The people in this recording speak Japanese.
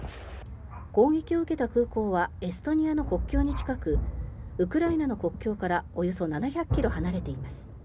攻撃を受けた空港はエストニアの国境に近くウクライナの国境からおよそ７００ｋｍ離れています。